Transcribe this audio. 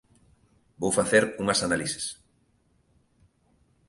Vou facer unhas análises